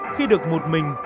khi được một mình